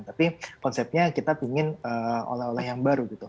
tapi konsepnya kita ingin oleh oleh yang baru gitu